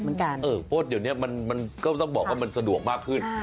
เออโบ๊ทอะเนี่ยมันก็ต้องบอกว่ามันสะดวกมากขึ้น